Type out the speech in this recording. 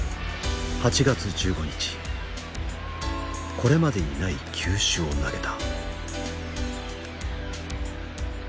これまでにない球種を投げた。